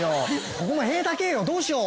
ここの塀高けえよどうしよう。